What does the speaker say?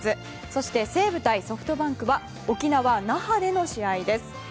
そして西武対ソフトバンクは沖縄・那覇での試合です。